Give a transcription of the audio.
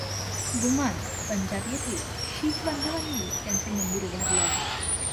घुमान पंजाब येथे शीख बांधवानी त्यांचे मंदिर उभारले आहे.